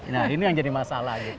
nah ini yang jadi masalah